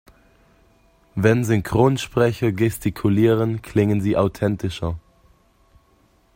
Wenn Synchronsprecher gestikulieren, klingen sie authentischer.